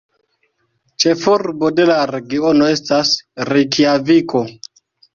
Ĉefurbo de la regiono estas Rejkjaviko.